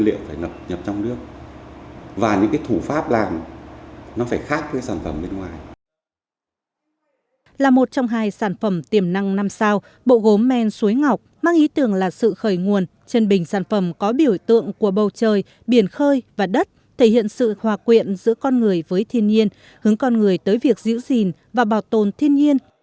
là một trong hai sản phẩm tiềm năng năm sao bộ gốm men suối ngọc mang ý tưởng là sự khởi nguồn chân bình sản phẩm có biểu tượng của bầu trời biển khơi và đất thể hiện sự hòa quyện giữa con người với thiên nhiên hướng con người tới việc giữ gìn và bảo tồn thiên nhiên